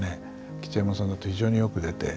吉右衛門さんだと非常によく出て。